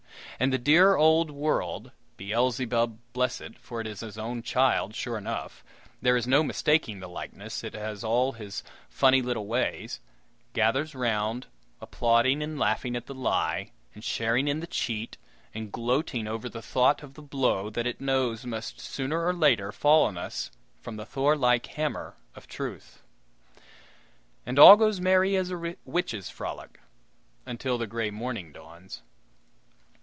And the dear old world Beelzebub bless it! for it is his own child, sure enough; there is no mistaking the likeness, it has all his funny little ways gathers round, applauding and laughing at the lie, and sharing in the cheat, and gloating over the thought of the blow that it knows must sooner or later fall on us from the Thor like hammer of Truth. And all goes merry as a witches' frolic until the gray morning dawns.